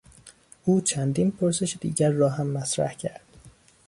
او چندین پرسش دیگر را هم مطرح کرد.